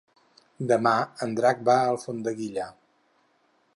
Demà en Drac va a Alfondeguilla.